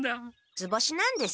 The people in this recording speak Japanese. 図星なんですね？